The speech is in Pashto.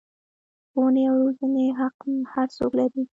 ښوونې او روزنې حق هر څوک لري.